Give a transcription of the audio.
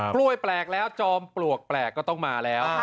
กล้วยแปลกแล้วจอมปลวกแปลกก็ต้องมาแล้ว